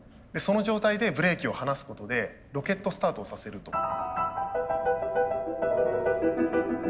その状態でブレーキを放すことでロケットスタートをさせると。